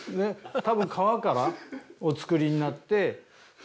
たぶん皮からお作りになって。